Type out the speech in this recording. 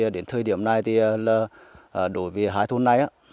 đến thời điểm này đối với hai thôn này